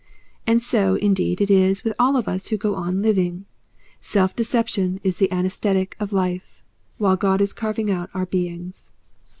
And so, indeed, it is with all of us who go on living. Self deception is the anaesthetic of life, while God is carving out our beings.